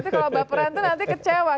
nanti kalau baperan itu nanti kecewa